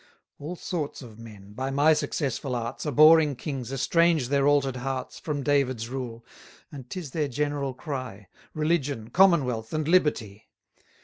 All sorts of men, by my successful arts, Abhorring kings, estrange their alter'd hearts 290 From David's rule: and 'tis their general cry Religion, commonwealth, and liberty.